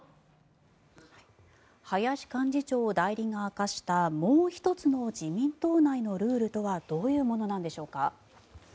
林幹事長代理が明かしたもう１つの自民党内のルールとはどういうものなんでしょうか。